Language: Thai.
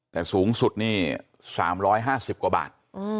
แต่สูงสุดนี่๓๕๐กว่าบาท